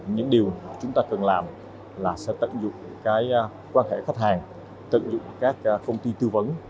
những điều chúng ta cần làm là sẽ tận dụng quan hệ khách hàng tận dụng các công ty tư vấn